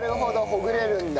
ほぐれるんだ。